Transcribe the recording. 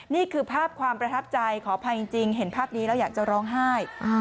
นี่คือภาพความประทับใจขออภัยจริงเห็นภาพนี้แล้วอยากจะร้องไห้